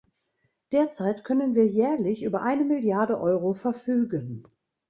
Derzeit können wir jährlich über eine Milliarde Euro verfügen.